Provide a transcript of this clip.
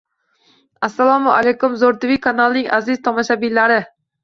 Assalomu alaykum, zo‘rtv telekanalining aziz tomoshabinlari.